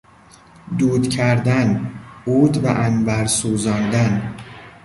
دود کردن، عود و عنبر سوزاندن